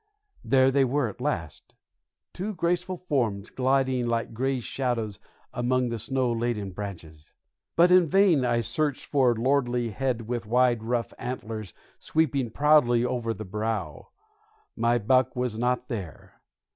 There they were at last, two graceful forms gliding like gray shadows among the snow laden branches. But in vain I searched for a lordly head with wide rough antlers sweeping proudly over the brow; my buck was not there.